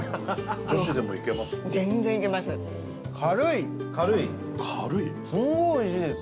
八乙女：すごいおいしいです。